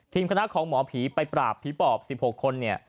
ทีมคณะของหมผีไปปราบผีปปลอบ๑๖คน